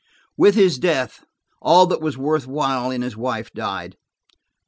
With his death, all that was worth while in his wife died.